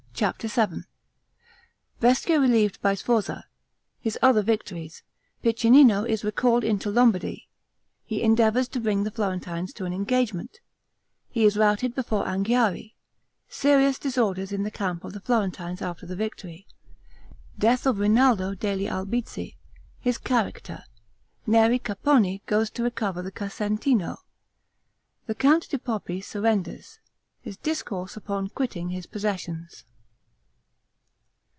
CHAPTER VII Brescia relieved by Sforza His other victories Piccinino is recalled into Lombardy He endeavors to bring the Florentines to an engagement He is routed before Anghiari Serious disorders in the camp of the Florentines after the victory Death of Rinaldo degli Albizzi His character Neri Capponi goes to recover the Casentino The Count di Poppi surrenders His discourse upon quitting his possessions.